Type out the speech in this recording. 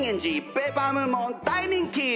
ペーパームーンも大人気！